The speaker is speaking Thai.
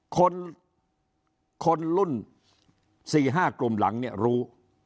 คนคนรุ่น๔๕กลุ่มหลังเนี่ยรู้